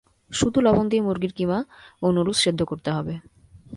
শুধু লবণ দিয়ে মুরগির কিমা ও নুডলস সেদ্ধ করতে হবে।